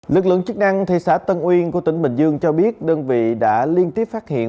lực lượng chức năng thị xã tân uyên của tỉnh bình dương cho biết đơn vị đã liên tiếp phát hiện